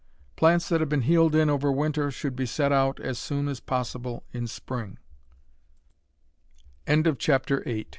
Plants that have been "heeled in" over winter should be set out as soon as possible in spring. IX HOTBEDS AND